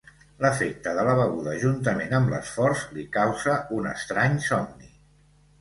L'efecte de la beguda, juntament amb l'esforç, li causa un estrany somni.